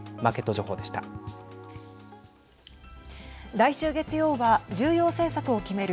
来週月曜は重要政策を決める